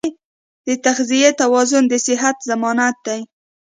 د تغذیې توازن د صحت ضمانت دی.